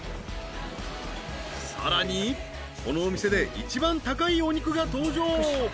［さらにこのお店で一番高いお肉が登場］